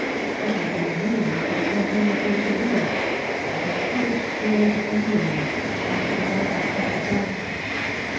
It had been new for the campaign of Waterloo and had covered George and William after the night of Quatre Bras.